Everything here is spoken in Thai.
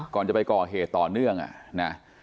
ก่อนจะไปก่อเหตุต่อเนื่องอ่ะนะ